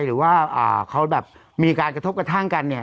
หรือว่าเขาแบบมีการกระทบกระทั่งกันเนี่ย